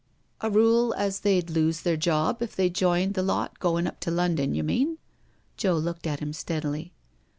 " A rule as they'd lose their job if they joined this lot goin' up to London, you mean?" Joe looked at him steadily.